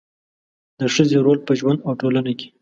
د ښځې رول په ژوند او ټولنه کې